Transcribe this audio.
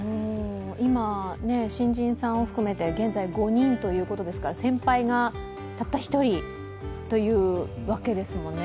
今、新人さんを含めて現在５人ということですから先輩がたった１人というわけですもんね。